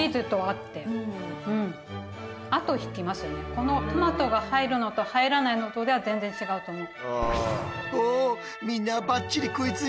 このトマトが入るのと入らないのとでは全然違うと思う。